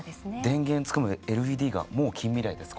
電源つくまでＬＥＤがもう近未来です